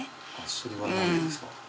それはなんでですか？